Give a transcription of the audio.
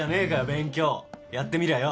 勉強やってみりゃあよ。